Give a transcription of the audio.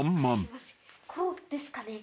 こうですかね？